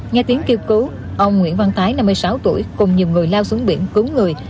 nghe tiếng kêu cứu ông nguyễn văn tái năm mươi sáu tuổi cùng nhiều người lao xuống biển cứu người